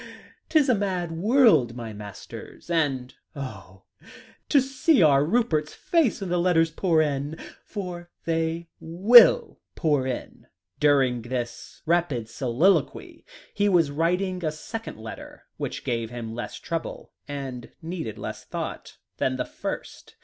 ''Tis a mad world, my masters' and, oh! to see our Rupert's face when the letters pour in. For they will pour in." During this rapid soliloquy, he was writing a second letter, which gave him less trouble, and needed less thought, than the first.